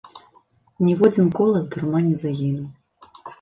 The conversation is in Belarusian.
Ніводзін колас дарма не загінуў.